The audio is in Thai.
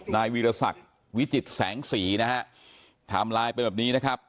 นายวีรศักดิ์วิจิตแสงสีนะฮะไทม์ไลน์เป็นแบบนี้นะครับ